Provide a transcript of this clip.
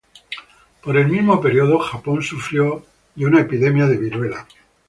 Por el mismo periodo, Japón sufrió de una epidemia de Viruela.